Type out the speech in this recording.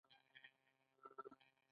ایا ستاسو پالنه به سمه وي؟